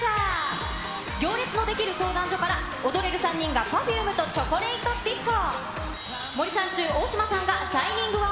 行列のできる相談所から、踊る３人がＰｅｒｆｕｍｅとチョコレイト・ディスコ。